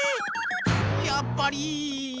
やっぱり。